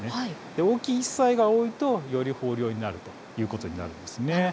大きい１歳が多いと、より豊漁になるということになります。